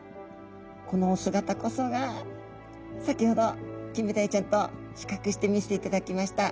このお姿こそが先ほどキンメダイちゃんと比較して見せていただきました